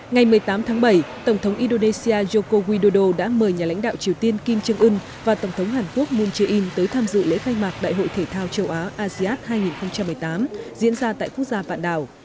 ngày một mươi tám tháng bảy tổng thống indonesia joko widodo đã mời nhà lãnh đạo triều tiên kim trương ưn và tổng thống hàn quốc moon jae in tới tham dự lễ khai mạc đại hội thể thao châu á asean hai nghìn một mươi tám diễn ra tại quốc gia vạn đảo